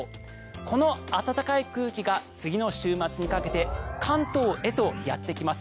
この暖かい空気が次の週末にかけて関東へとやってきます。